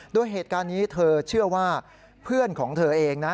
โดยเหตุการณ์นี้เธอเชื่อว่าเพื่อนของเธอเองนะ